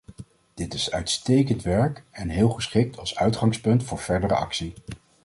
Dit is uitstekend werk, en heel geschikt als uitgangspunt voor verdere actie.